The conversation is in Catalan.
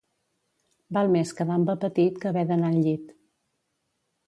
Val més quedar amb apetit que haver d'anar al llit.